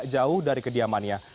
jauh dari kediamannya